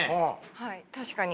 はい確かに。